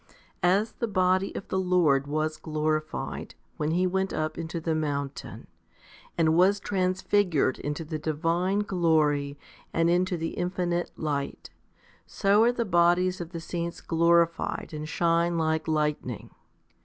As the body of the Lord was glorified, when He went up into the mountain, and was transfigured into the divine glory and into the infinite light, so are the bodies of the saints glorified and shine like lightning.